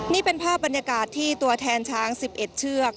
นี่เป็นภาพบรรยากาศที่ตัวแทนช้าง๑๑เชือก